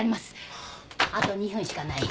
あと２分しかない。